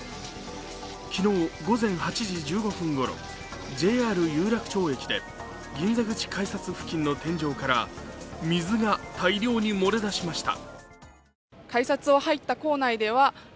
昨日午前８時１５分ごろ、ＪＲ有楽町駅で銀座口改札付近の天井から水が大量に漏れ出しました。